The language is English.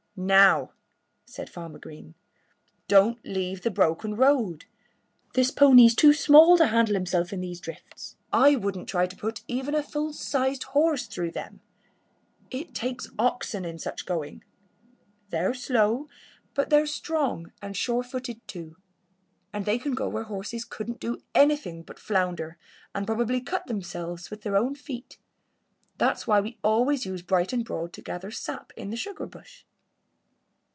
"Now," said Farmer Green, "don't leave the broken road. This pony's too small to handle himself in these drifts. I wouldn't try to put even a full sized horse through them. It takes oxen in such going. They're slow; but they're strong and sure footed, too. And they can go where horses couldn't do anything but flounder and probably cut themselves with their own feet. That's why we always use Bright and Broad to gather sap in the sugar bush."